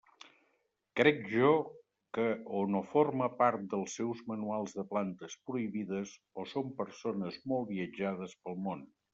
Crec jo que o no forma part dels seus manuals de plantes prohibides o són persones molt viatjades pel món.